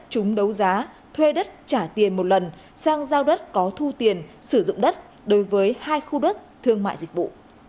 chúng đấu giá thuê đất trả tiền một lần sang giao đất có thu tiền sử dụng đất đối với hai khu đất thương mại dịch vụ